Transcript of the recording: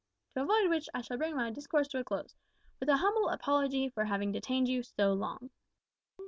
to avoid which I shall bring my discourse to a close, with a humble apology for having detained you so long."